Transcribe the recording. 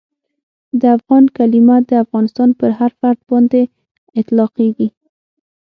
د افغان کلیمه د افغانستان پر هر فرد باندي اطلاقیږي.